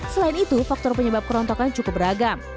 selain itu faktor penyebab kerontokan cukup beragam